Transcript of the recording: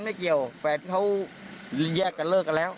ไม่เกี่ยวแฝดเขาแยกกันเลิกกันแล้ว